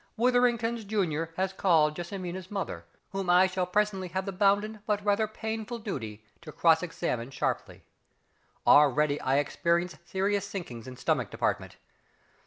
WITHERINGTON'S Junior has called JESSIMINA'S mother, whom I shall presently have the bounden but rather painful duty to cross examine sharply. Already I experience serious sinkings in stomach department.